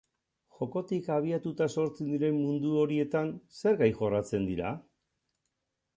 Jokotik abiatuta sortzen diren mundu horietan, zer gai jorratzen dira?